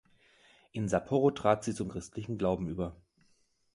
In Sapporo trat sie zum christlichen Glauben über.